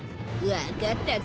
分かったぞ。